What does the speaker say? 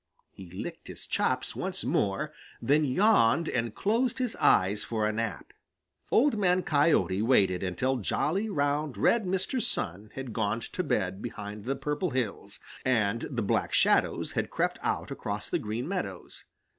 He licked his chops once more, then yawned and closed his eyes for a nap. Old Man Coyote waited until jolly, round, red Mr. Sun had gone to bed behind the Purple Hills, and the Black Shadows had crept out across the Green Meadows.